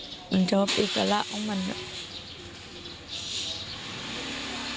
ตอนแรกที่แม่ชอบข่าวจากเจ้าหน้าทีมันหลัวจากญาติ